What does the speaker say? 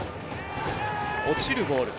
落ちるボール。